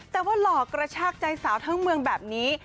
แต่ว่าหลอกกระชากใจสาวทั้งเมืองแบบนี้